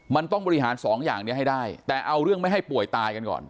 มันต้องบริหารสองอย่างนี้ให้ได้แต่เอาเรื่องไม่ให้ป่วยตายกันก่อน